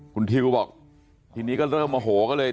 คุณทิวบอกทีนี้ก็เริ่มโมโหก็เลย